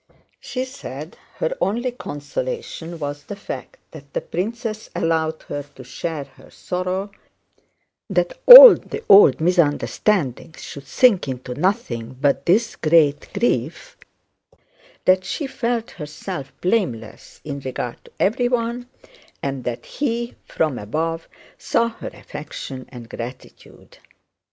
She said her only consolation was the fact that the princess allowed her to share her sorrow, that all the old misunderstandings should sink into nothing but this great grief; that she felt herself blameless in regard to everyone, and that he, from above, saw her affection and gratitude.